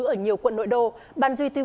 ở nhiều quận nội đô ban duy tư